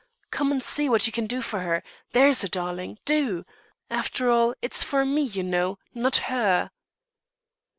Come and see what you can do for her, there's a darling, do! After all, it's for me, you know, not her."